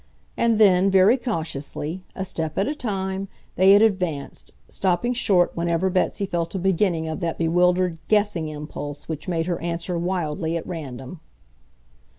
And then, very cautiously, a step at a time, they had advanced, stopping short whenever Betsy felt a beginning of that bewildered "guessing" impulse which made her answer wildly at random.